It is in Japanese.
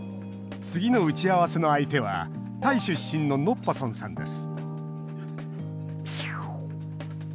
次の打ち合わせの相手はタイ出身のノッパソンさんです